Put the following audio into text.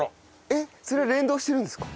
えっそれは連動してるんですか？